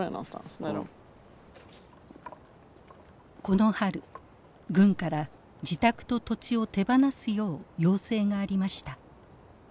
この春軍から自宅と土地を手放すよう要請がありました。